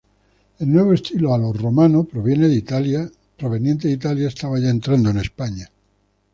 El nuevo estilo "a lo Romano" proveniente de Italia estaba ya entrando en España.